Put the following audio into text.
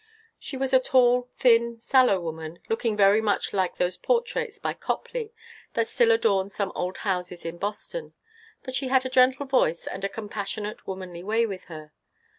She was a tall, thin, sallow woman, looking very much like those portraits by Copley that still adorn some old houses in Boston; but she had a gentle voice, and a compassionate, womanly way with her.